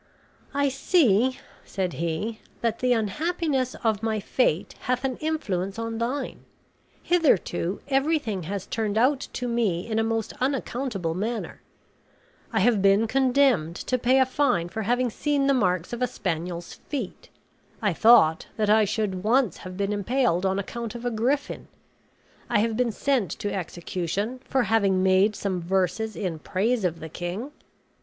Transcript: "I see," said he, "that the unhappiness of my fate hath an influence on thine. Hitherto everything has turned out to me in a most unaccountable manner. I have been condemned to pay a fine for having seen the marks of a spaniel's feet. I thought that I should once have been impaled on account of a griffin. I have been sent to execution for having made some verses in praise of the king.